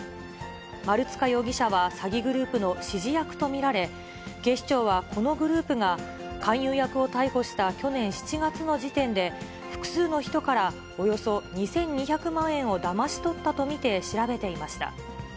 丸塚容疑者は詐欺グループの指示役と見られ、警視庁はこのグループが、勧誘役を逮捕した去年７月の時点で、複数の人からおよそ２２００万円をだまし取ったと見て調べていました。